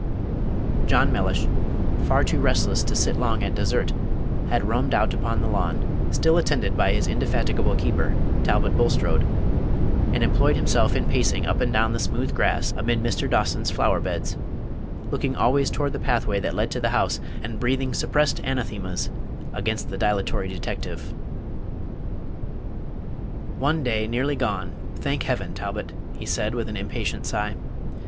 John Mellish, far too restless to sit long at dessert, had roamed out upon the lawn, still attended by his indefatigable keeper, Talbot Page 193 Bulstrode, and employed himself in pacing up and down the smooth grass amid Mr. Dawson's flower beds, looking always toward the pathway that led to the house, and breathing suppressed anathemas against the dilatory detective. "One day nearly gone, thank Heaven, Talbot!" he said, with an impatient sigh.